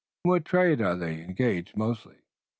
In what trade are they engaged, mostly?"